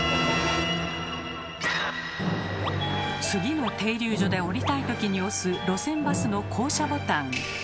次の停留所で降りたいときに押す路線バスの降車ボタン。